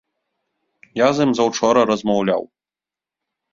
Я з ім заўчора размаўляў.